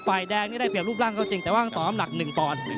ฝ่ายแดงนี่ได้เปรียบรูปร่างเขาจริงแต่ว่าต้องต่อน้ำหนัก๑ปอนด์